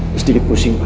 pasti dipusing pak